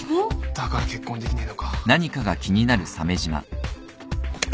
だから結婚できねえのか。